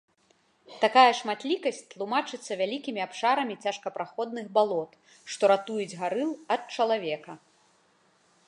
Такая шматлікасць тлумачыцца вялікімі абшарамі цяжкапраходных балот, што ратуюць гарыл ад чалавека.